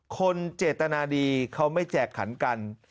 คนเจตนาดีเขาไม่แจกขันกัน